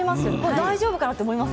大丈夫かなと思います。